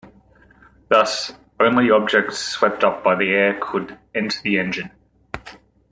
Thus, only small objects swept up by the air could enter the engine.